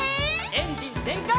エンジンぜんかい！